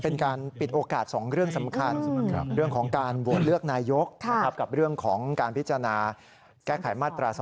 ชัยธวัดบอกเหมือนเป็นการปิดโอกาสสองเรื่องสำคัญ